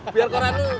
biar koran lo cepet abis